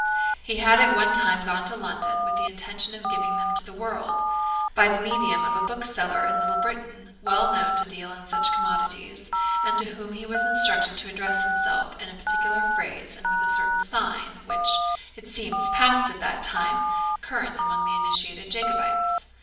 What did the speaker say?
He had at one time gone to London, with the intention of giving them to the world, by the medium of a bookseller in Little Britain, well known to deal in such commodities, and to whom he was instructed to address himself in a particular phrase and with a certain sign, which, it seems, passed at that time current among the initiated Jacobites.